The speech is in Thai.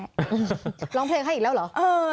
ร้องเพลงให้อีกแล้วเหรอ